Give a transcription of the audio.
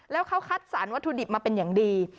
แล้วเขาคัดสรรวัตถุดิบมาเป็นอย่างดี